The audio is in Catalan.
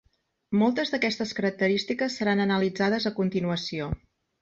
Moltes d'aquestes característiques seran analitzades a continuació.